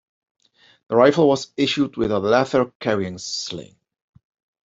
The rifle was issued with a leather carrying sling.